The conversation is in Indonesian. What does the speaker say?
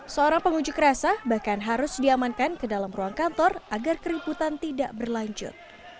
seorang pengunjuk rasa bahkan harus diamankan ke dalam ruang kantor agar keriputan tidak berlanjut